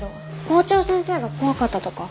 校長先生が怖かったとか？